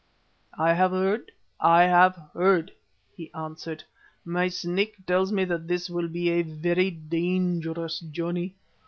"I have seen, I have heard," he answered. "My Snake tells me that this will be a very dangerous journey.